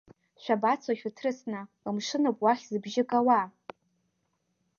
Шәабацои шәыҭрысны, мшынуп уахь зыбжьы гауа?!